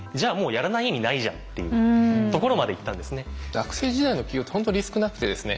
学生時代の起業ってほんとリスクなくてですね